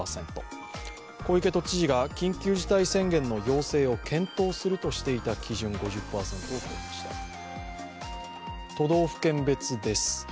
小池都知事が緊急事態宣言の要請を検討するとしていた基準５０％を超えました。